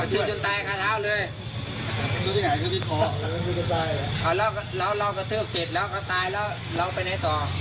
บอกว่าพระ